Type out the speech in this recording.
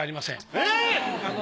えっ！